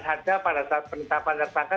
ada pada saat penetapan tersangka